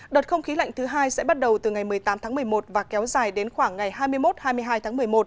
đợt không khí lạnh thứ hai sẽ bắt đầu từ ngày một mươi tám tháng một mươi một và kéo dài đến khoảng ngày hai mươi một hai mươi hai tháng một mươi một